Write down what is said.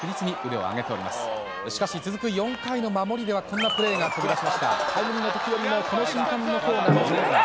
しかし続く４回の守りではこんなプレーが飛び出しました。